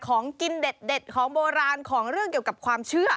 ของกินเด็ดของโบราณของเรื่องเกี่ยวกับความเชื่อ